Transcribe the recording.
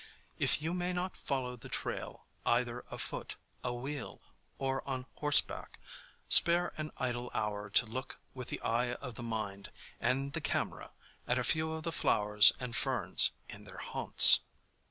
If you may not follow the trail either afoot, awheel or on horseback, spare an idle hour to look with the eye of the mind and the camera at a few of the flowers and ferns in their haunts.